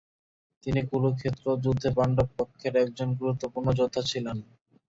তিনি কুরুক্ষেত্র যুদ্ধে পাণ্ডব পক্ষের একজন গুরুত্বপূর্ণ যোদ্ধা ছিলেন।